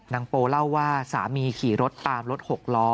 โปเล่าว่าสามีขี่รถตามรถหกล้อ